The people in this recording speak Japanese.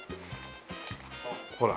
ほら。